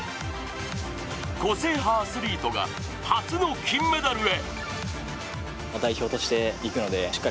個性派アスリートが初の金メダルへ。